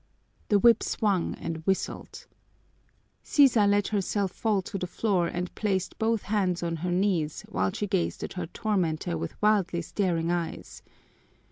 The whip swung and whistled. Sisa let herself fall to the floor and placed both hands on her knees while she gazed at her tormentor with wildly staring eyes.